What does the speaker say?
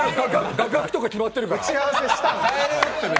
画角とか決まってるから。